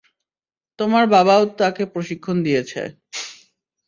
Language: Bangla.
তোমার বাবাও তাকে প্রশিক্ষণ দিয়েছে।